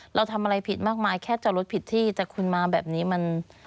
เราทำอะไรผิดมากมายแค่จอดรถผิดที่แต่คุณมาแบบนี้มัน